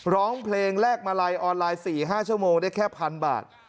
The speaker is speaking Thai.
ร้องเพลงแลกมาลัยออนไลน์๔๕ชั่วโมงได้แค่๑๐๐บาท